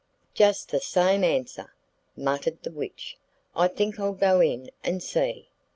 'Just the same answer,' muttered the witch; 'I think I'll go in and see.